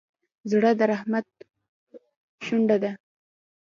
زړه د رحمت شونډه ده.